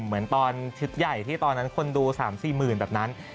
เหมือนตอนชุดใหญ่ที่ตอนนั้นคนดู๓๔หมื่นแบบนั้น